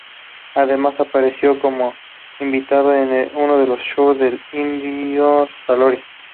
Además, apareció como invitado en uno de los shows del Indio Solari.